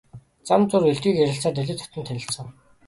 Зам зуур элдвийг ярилцсаар нэлээд дотно танилцав.